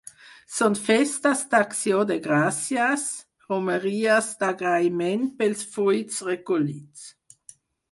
Són festes d'acció de gràcies, romeries d'agraïment pels fruits recollits.